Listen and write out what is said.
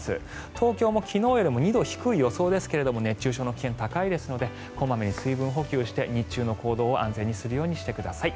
東京も昨日より２度低い予想ですが熱中症の危険、高いですので小まめに水分補給をして日中の行動を安全にするようにしてください。